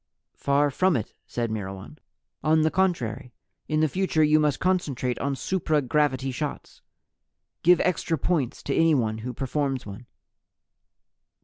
"Far from it," said Myrwan. "On the contrary, in the future you must concentrate on supra gravity shots. Give extra points to anyone who performs one."